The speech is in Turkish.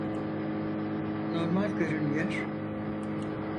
Normal görünüyor.